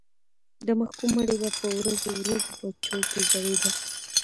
د محکوم مړی به په ورځو ورځو په چوک کې ځړېده.